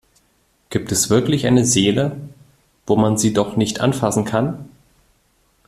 Gibt es wirklich eine Seele, wo man sie doch nicht anfassen kann?